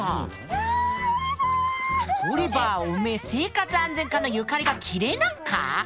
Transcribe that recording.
オリバーおめえ生活安全課のゆかりが嫌えなんか？